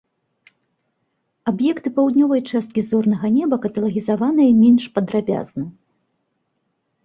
Аб'екты паўднёвай часткі зорнага неба каталагізаваныя менш падрабязна.